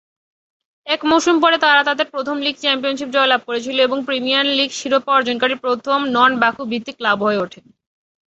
এক মৌসুম পরে তারা তাদের প্রথম লীগ চ্যাম্পিয়নশিপ জয়লাভ করেছিল এবং প্রিমিয়ার লীগ শিরোপা অর্জনকারী প্রথম নন-বাকু-ভিত্তিক ক্লাব হয়ে ওঠে।